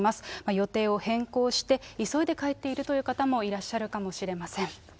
予定を変更して、急いで帰っているという方もいらっしゃるかもしれません。